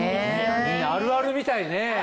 みんなあるあるみたいね。